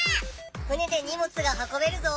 船でにもつが運べるぞ！